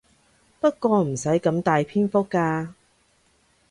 不過唔使咁大篇幅㗎